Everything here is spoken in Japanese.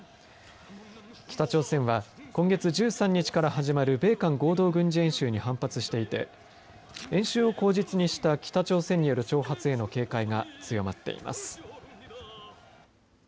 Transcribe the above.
北朝鮮は今月１３日から始まる米韓合同軍事演習に反発していて演習を口実にした北朝鮮による挑発への警戒が強まっています。